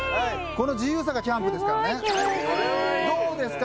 この自由さがキャンプですからねどうですか？